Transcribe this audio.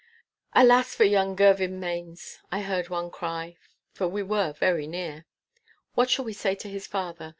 'Alas for young Girvanmains!' I heard one cry, for we were very near. 'What shall we say to his father?